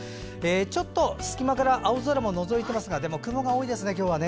ちょっと隙間から青空ものぞいていますがでも雲が多いですね、今日は。